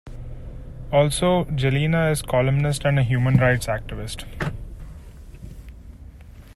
Also, Jelena is columnist and a human rights activist.